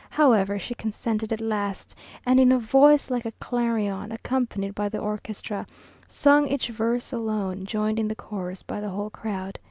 However, she consented at last, and in a voice like a clarion, accompanied by the orchestra, sung each verse alone, joined in the chorus by the whole crowd.